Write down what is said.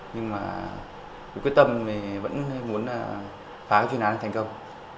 nhưng mà quyết tâm mình vẫn muốn là phá cái truyền án thành công